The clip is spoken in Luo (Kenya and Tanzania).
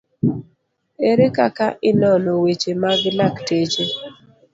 Ere kaka inono weche mag lakteche